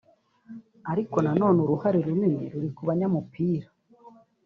ariko na none uruhare runini ruri ku banyamupira